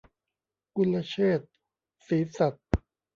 กุลเชษฐ ศรีสัตย์